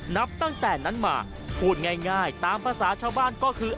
นับตั้งแต่นั้นมาพูดง่ายตามภาษาชาวบ้านก็คือ